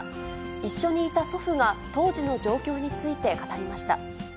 一緒にいた祖父が、当時の状況について語りました。